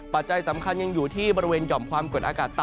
ปัจจัยสำคัญยังอยู่ที่บริเวณหย่อมความกดอากาศต่ำ